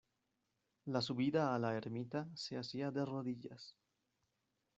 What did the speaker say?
La subida a la ermita se hacía de rodillas.